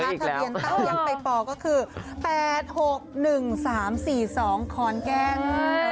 ทะเบียนเต้ายังไปป่อก็คือ๘๖๑๓๔๒คอนแกง